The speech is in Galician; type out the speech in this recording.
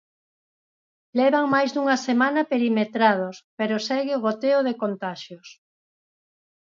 Levan máis dunha semana perimetrados, pero segue o goteo de contaxios.